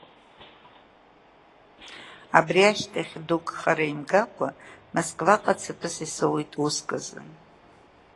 Абри ашьҭахь, дук хара имгакәа, Москваҟа цатәыс исоуит уск азы.